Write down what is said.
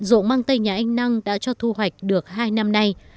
dụng măng tây nhà anh năng đã cho thu hoạch được hai năm nay